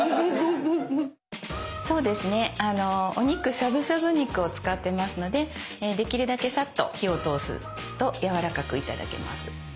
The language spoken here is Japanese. そうですねお肉しゃぶしゃぶ肉を使ってますのでできるだけさっと火を通すとやわらかく頂けます。